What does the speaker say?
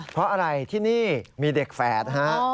เพราะอะไรที่นี่มีเด็กแฝดฮะ